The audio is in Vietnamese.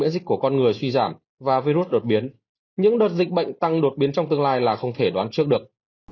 truy giảm và virus đột biến những đợt dịch bệnh tăng đột biến trong tương lai là không thể đoán trước được